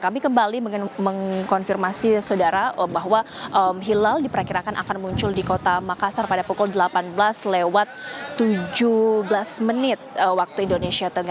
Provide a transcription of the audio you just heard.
kami kembali mengkonfirmasi saudara bahwa hilal diperkirakan akan muncul di kota makassar pada pukul delapan belas lewat tujuh belas menit waktu indonesia tengah